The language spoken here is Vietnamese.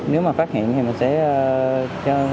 nếu mà phát hiện thì mình sẽ cho